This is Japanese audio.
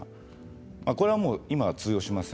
これは今は通用しません。